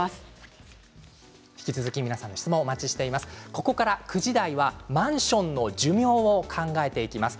ここから９時台はマンションの寿命について考えます。